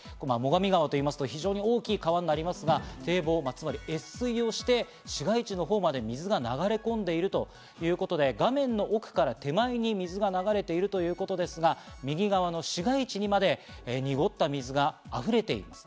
最上川と言いますと非常に大きい川になりますが、堤防、越水をして市街地のほうまで川の水が流れ込んでいるということで画面の奥から手前に水が流れ込んでいるということですが、右側の市街地にまで濁った水が溢れています。